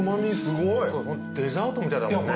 デザートみたいだもんね。